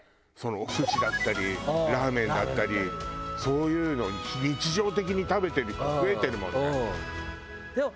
お寿司だったりラーメンだったりそういうのを日常的に食べてる人増えてるもんね。